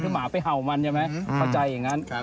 คือหมาไปเห่ามันใช่ไหมเข้าใจอย่างนั้น